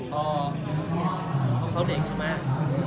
พอเพราะเขาเด็กใช่ไหม